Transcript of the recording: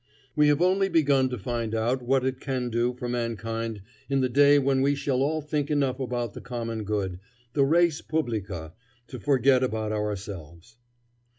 We have only begun to find out what it can do for mankind in the day when we shall all think enough about the common good, the res publica, to forget about ourselves.